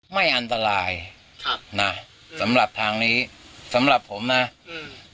ไม่อันตรายครับน่ะสำหรับทางนี้สำหรับผมนะอืม